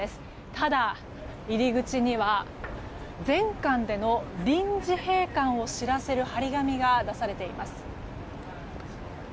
ただ、入り口には全館での臨時閉館を知らせる貼り紙が出されています。